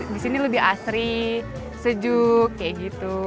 di sini lebih asri sejuk kayak gitu